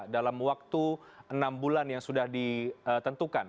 dalam waktu enam bulan yang sudah ditentukan